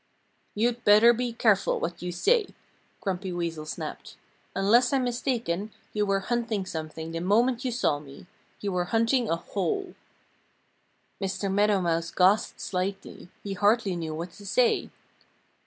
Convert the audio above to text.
"You'd better be careful what you say!" Grumpy Weasel snapped. "Unless I'm mistaken, you were hunting something the moment you saw me. You were hunting a hole." Mr. Meadow Mouse gasped slightly. He hardly knew what to say.